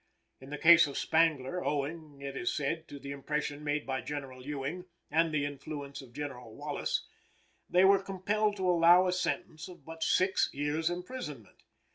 In the case of Spangler, owing, it is said, to the impression made by General Ewing and the influence of General Wallace, they were compelled to allow a sentence of but six years imprisonment.